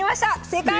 正解！